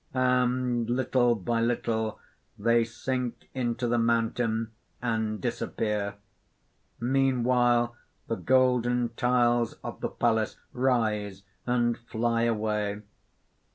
(And little by little they sink into the mountain, and disappear. _Meanwhile the golden tiles of the palace rise and fly away.